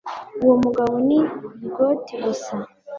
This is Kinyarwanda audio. uwo mugabo ni bigot gusa